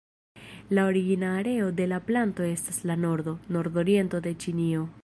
La origina areo de la planto estas la nordo, nordoriento de Ĉinio.